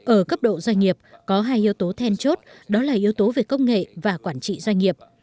ở cấp độ doanh nghiệp có hai yếu tố then chốt đó là yếu tố về công nghệ và quản trị doanh nghiệp